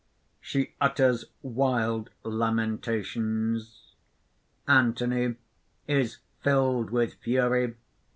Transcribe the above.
(She utters wild lamentations.) ANTHONY (_is filled with fury.